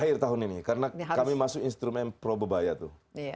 akhir tahun ini karena kami masuk instrumen pro bebaya tuh